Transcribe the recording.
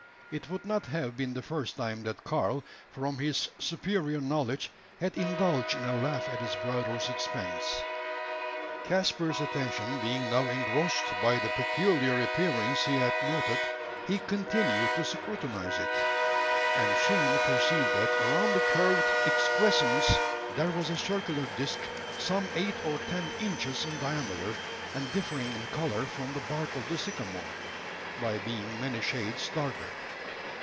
It would not have been the first time that Karl, from his superior knowledge, had indulged in a laugh at his brother's expense. Caspar's attention being now engrossed by the peculiar appearance he had noted, he continued to scrutinise it; and soon perceived that around the curved excrescence there was a circular disc some eight or ten inches in diameter, and differing in colour from the bark of the sycamore by being many shades darker.